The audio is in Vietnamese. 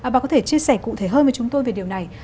bà có thể chia sẻ cụ thể hơn với chúng tôi về điều này